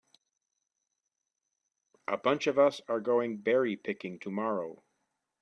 A bunch of us are going berry picking tomorrow.